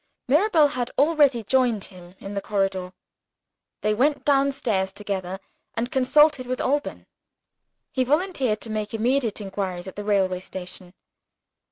Mirabel had already joined him in the corridor. They went downstairs together and consulted with Alban. He volunteered to make immediate inquiries at the railway station.